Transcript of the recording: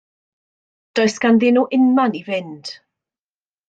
Does ganddyn nhw unman i fynd.